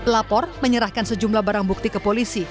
lapor menyerahkan sejumlah barang bukti ke polisi